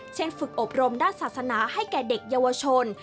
ฝึกอบรมด้านศาสนาให้แก่เด็กเยาวชน